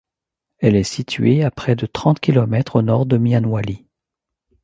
Elle est située à près de trente kilomètres au nord de Mianwali.